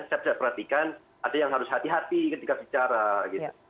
saya bisa perhatikan ada yang harus hati hati ketika bicara gitu